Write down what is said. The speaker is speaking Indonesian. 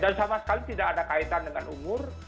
dan sama sekali tidak ada kaitan dengan umur